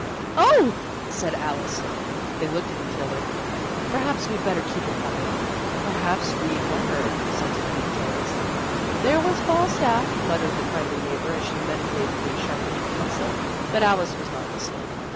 " Oh !" said Alice. They looked at each other. " Perhaps we'd better keep it quiet." " Perhaps we 'd better," assented meek tones. " There was Falstaff," muttered the kindly neighbor as she meditatively sharp ened a pencil, but Alice was not listening.